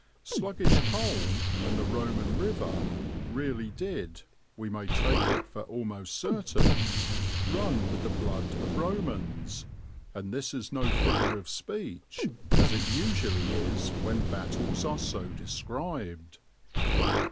Sluggish Colne and the Roman river really did, we may take it for almost certain, run with the blood of Romans; and this is no figure of speech, as it usually is when battles are so described.